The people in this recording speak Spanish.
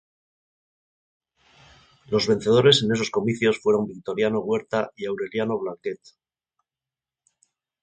Los vencedores en esos comicios fueron Victoriano Huerta y Aureliano Blanquet.